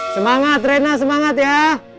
semangat rena semangat ya